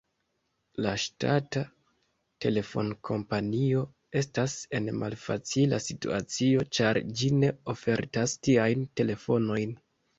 La ŝtata telefonkompanio estas en malfacila situacio, ĉar ĝi ne ofertas tiajn telefonojn.